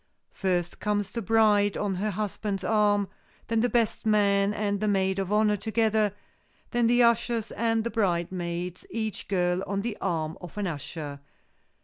First, comes the bride on her husband's arm, then the best man and the maid of honor together, then the ushers and the bridesmaids, each girl on the arm of an usher.